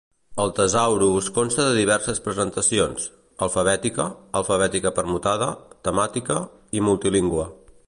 El tesaurus consta de diverses presentacions: alfabètica, alfabètica permutada, temàtica i multilingüe.